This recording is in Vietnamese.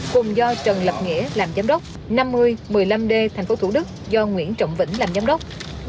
cùng do trần lập nghĩa làm giám đốc năm mươi một mươi năm d tp thủ đức do nguyễn trọng vĩnh làm giám đốc